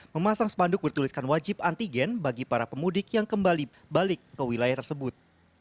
memasang spanduk bertuliskan wajib antigen bagi para pemudik yang kembali balik ke wilayah tersebut